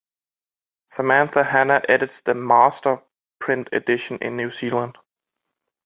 Samantha Hannah edits the "master" print edition in New Zealand.